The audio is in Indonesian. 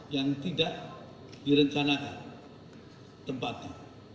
yang tidak direncanakan tempatnya